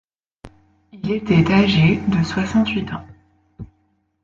Il était âgé de soixante-huit ans.